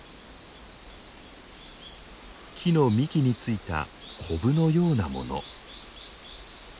木の幹についたコブのようなもの。